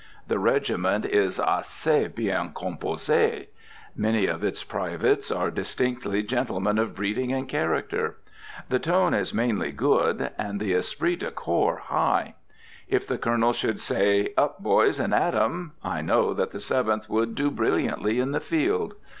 The regiment is assez bien composé. Many of its privates are distinctly gentlemen of breeding and character. The tone is mainly good, and the esprit de corps high. If the Colonel should say, "Up, boys, and at 'em!" I know that the Seventh would do brilliantly in the field.